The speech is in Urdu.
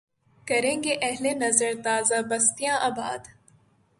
کریں گے اہل نظر تازہ بستیاں آباد